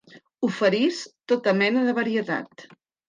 Oferís tota mena de varietat.